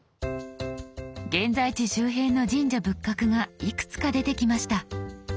現在地周辺の神社仏閣がいくつか出てきました。